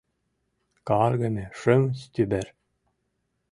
Каргыме шым стюбер!